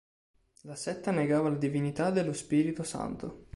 La setta negava la divinità dello Spirito Santo.